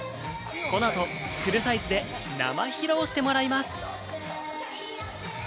この後、フルサイズで生披露してもらいます。